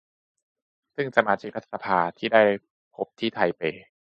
ซึ่งสมาชิกรัฐสภาที่ได้พบที่ไทเป